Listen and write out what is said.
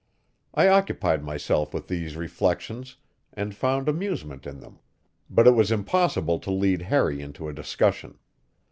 I occupied myself with these reflections, and found amusement in them; but it was impossible to lead Harry into a discussion.